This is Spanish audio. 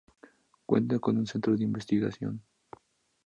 Cuenta con un Centro de Investigación.